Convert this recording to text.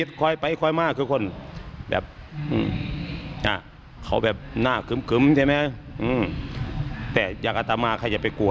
เดี๋ยวมาขยายต่อให้ค่ะ